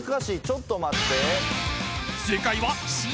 ちょっと待って。